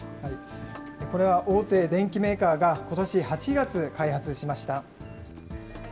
これは大手電機メーカーが、ことし８月、開発しました。